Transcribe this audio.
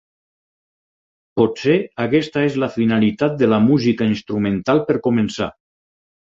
Potser aquesta és la finalitat de la música instrumental per començar.